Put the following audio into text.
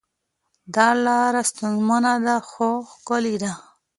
دا لاره ستونزمنه ده خو ښکلې ده.